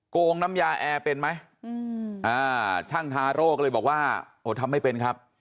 งงน้ำยาแอร์เป็นไหมช่างทาโร่ก็เลยบอกว่าโอ้ทำไม่เป็นครับ